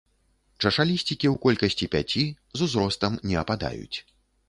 Чашалісцікі ў колькасці пяці, з узростам не ападаюць.